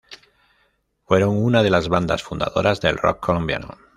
Fueron una de las bandas fundadoras del rock colombiano.